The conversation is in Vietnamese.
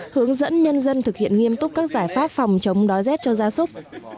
hướng dẫn nhân dân thực hiện nghiêm túc các giải pháp phòng chống đói rét cho gia súc